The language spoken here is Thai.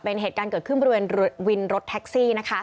เป็นเหตุการณ์เกิดขึ้นบริเวณวินรถแท็กซี่นะคะ